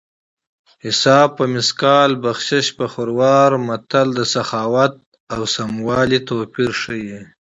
حساب په مثقال بخشش په خروار متل د سخاوت او دقت توپیر ښيي